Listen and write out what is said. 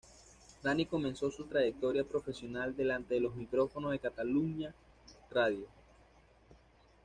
Dani comenzó su trayectoria profesional delante de los micrófonos de Catalunya Radio.